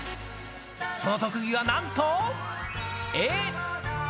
その特技はなんと、絵。